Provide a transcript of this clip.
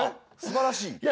すばらしい？